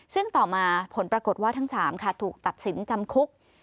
ซึ่งต่อมาผลปรากฏว่าทั้ง๓ค่ะถูกตัดสินจำคุก